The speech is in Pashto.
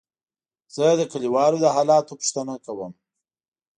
زه د کليوالو د حالاتو پوښتنه کوم.